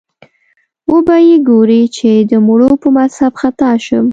وبه یې ګورې چې د مړو په مذهب خطا شم